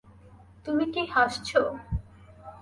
তুমি কি হাসছ?